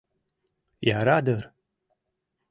Яра дыр.